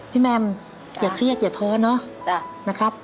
แม่มอย่าเครียดอย่าท้อเนอะนะครับ